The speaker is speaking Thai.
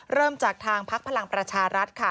เริ่มจากภาคพลังประชารัฐ